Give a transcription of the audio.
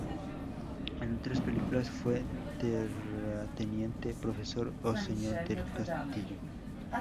En otras películas fue terrateniente, profesor o señor del castillo.